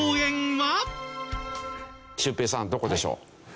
シュウペイさんどこでしょう？